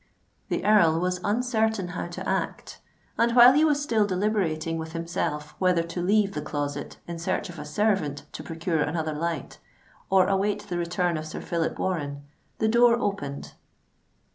The Earl was uncertain how to act; and while he was still deliberating with himself whether to leave the Closet in search of a servant to procure another light, or await the return of Sir Phillip Warren, the door opened.